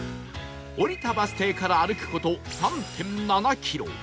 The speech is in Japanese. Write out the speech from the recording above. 降りたバス停から歩く事 ３．７ キロ